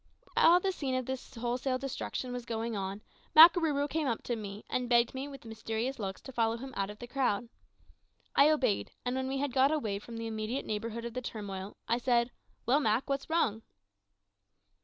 While this scene of wholesale destruction was going on, Makarooroo came up to me and begged me, with mysterious looks, to follow him out of the crowd. I obeyed, and when we had got away from the immediate neighbourhood of the turmoil, I said, "Well, Mak, what's wrong?"